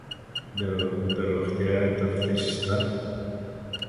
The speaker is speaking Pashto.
د روغتیا تفتیش شته؟